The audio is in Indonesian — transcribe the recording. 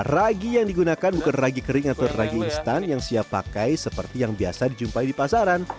ragi yang digunakan bukan ragi kering atau ragi instan yang siap pakai seperti yang biasa dijumpai di pasaran